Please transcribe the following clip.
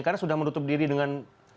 karena sudah menutup diri dengan